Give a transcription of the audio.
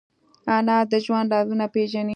انا د ژوند رازونه پېژني